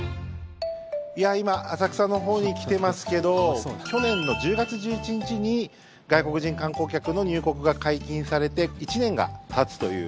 今、浅草のほうに来てますけど去年の１０月１１日に外国人観光客の入国が解禁されて１年がたつという。